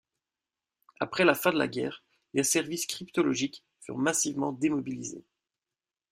Après la fin de la guerre, les services cryptologiques furent massivement démobilisés.